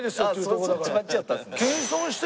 そっち待ちやったんですね。